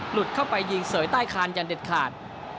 หลุดเข้าไปยิงเสยใต้คานอย่างเด็ดขาด